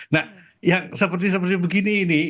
nah yang seperti seperti begini ini